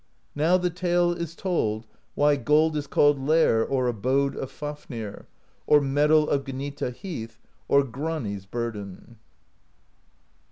Now the tale is told why gold is called Lair or Abode of Fafnir, or Metal of Gnita Heath, or Grani's Burden.